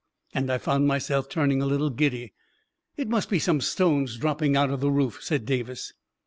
And I found myself turning a little giddy. " It must be some stones dropping out of the roof," said Davis.